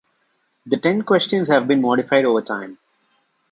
The ten questions have been modified over time.